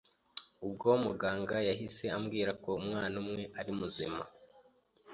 Ubwo muganga yahise ambwira ko umwana umwe ari muzima